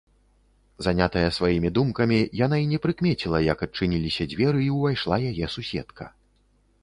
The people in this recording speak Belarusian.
Занятая сваімі думкамі, яна і не прыкмеціла, як адчыніліся дзверы і ўвайшла яе суседка.